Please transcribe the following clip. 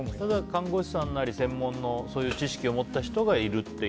看護師さんなり専門の知識を持った人がいるという？